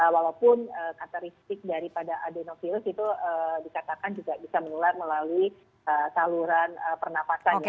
walaupun karakteristik daripada adenofilus itu disatakan juga bisa mengelar melalui saluran pernafasannya